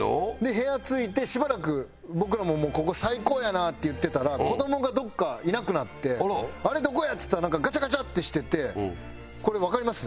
部屋着いてしばらく僕らも「ここ最高やな」って言ってたら子どもがどっかいなくなって「あれ？どこや？」っつったらなんかガチャガチャってしててこれわかります？